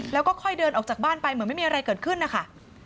แล้วก็ค่อยเดินออกจากบ้านไปเหมือนไม่มีอะไรเกิดขึ้นนะคะ